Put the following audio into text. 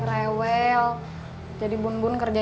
terus huncun aja